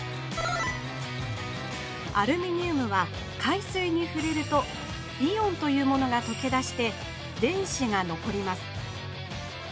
アルミニウムは海水にふれるとイオンというものがとけだして電子がのこります。